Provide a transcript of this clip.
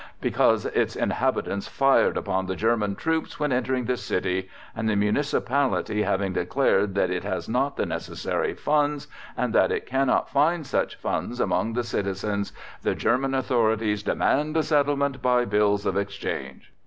because its inhabitants fired upon the German troops when entering the city, and the municipality having declared that it has not the necessary funds and that it cannot find such funds among the citizens, the German authorities demand a settlement by bills of exchange."